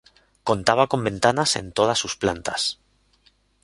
Contaba con ventanas en todas sus plantas.